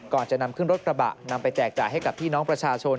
ก่อนจะนำขึ้นรถกระบะนำไปแจกจ่ายให้กับพี่น้องประชาชน